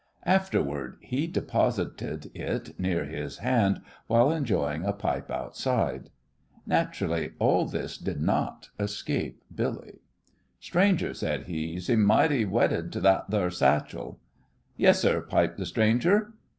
Afterward he deposited it near his hand while enjoying a pipe outside. Naturally, all this did not escape Billy. "Stranger," said he, "yo' seems mighty wedded to that thar satchel." "Yes, sir," piped the stranger.